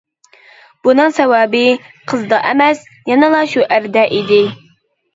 بۇنىڭ سەۋەبى، قىزدا ئەمەس، يەنىلا شۇ ئەردە ئىدى.